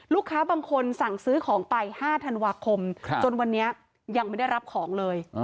บางคนสั่งซื้อของไป๕ธันวาคมจนวันนี้ยังไม่ได้รับของเลย